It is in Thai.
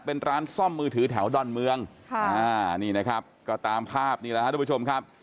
เป็นร้านซ่อมมือถือแถวดอนเมืองค่ะอ่านี่นะครับก็ตามภาพนี่แหละครับทุกผู้ชมครับ